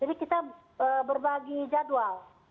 jadi kita berbagi jadwal